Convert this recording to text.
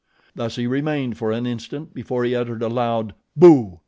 Thus he remained for an instant before he uttered a loud "Boo!"